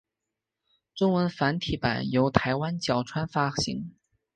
中文繁体版由台湾角川发行。